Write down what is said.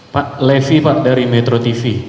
pak levi pak dari metro tv